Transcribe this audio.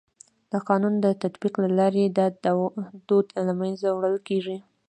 د قانون د تطبیق له لارې دا دود له منځه وړل کيږي.